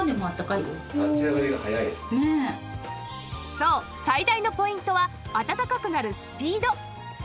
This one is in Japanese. そう最大のポイントはあたたかくなるスピード